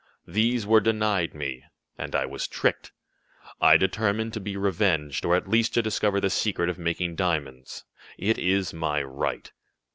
These were denied me, and I was tricked. I determined to be revenged, or at least to discover the secret of making diamonds. It is my right."